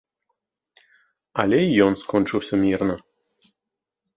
Але і ён скончыўся мірна.